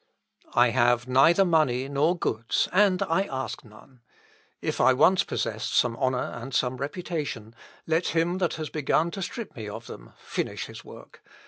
' I have neither money nor goods, and I ask none. If I once possessed some honour and some reputation, let him that has begun to strip me of them finish his work.